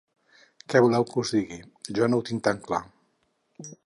Què voleu que us digui, jo no ho tinc tan clar.